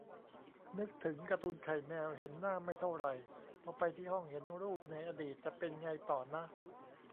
นึกถึงการ์ตูนไข่แมว เห็นหน้าไม่เท่าไหร่ พอไปที่ห้อง เห็นรูปในอดีต จะเป็นไงต่อนะ